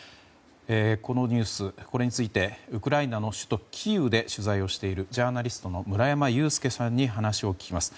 このニュース、これについてウクライナの首都キーウで取材をしているジャーナリストの村山祐介さんに話を聞きます。